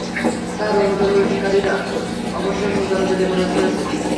Sir, অনুপ্রবেশকারী অবশ্যই মূল দরজা দিয়ে প্রবেশ করেছে।